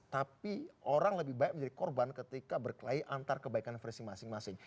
tapi orang lebih baik menjadi korban ketika berkelahi antar kebaikan versi masing masing